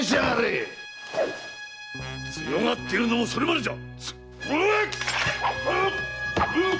強がっていられるのもそれまでじゃ！